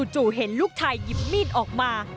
เห็นลูกชายหยิบมีดออกมา